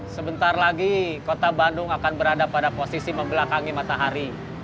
sebentar lagi kota bandung akan berada pada posisi membelakangi matahari